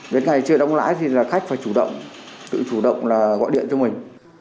đến ngày chưa đóng lãi thì là khách phải chủ động tự chủ động là gọi điện cho mình